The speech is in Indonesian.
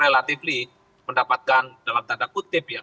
relatifly mendapatkan dalam tanda kutip ya